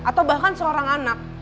atau bahkan seorang anak